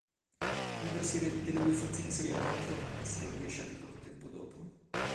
Diversi eredi delle due fazioni salirono al trono per essere rovesciati poco tempo dopo.